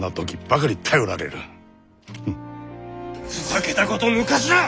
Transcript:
ふざけたこと抜かすな！